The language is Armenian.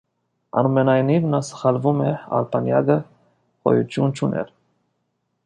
Այնուամենայնիվ, նա սխալվում էր, արբանյակը գոյություն չուներ։